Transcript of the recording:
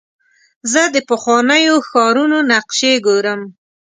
زه د پخوانیو ښارونو نقشې ګورم.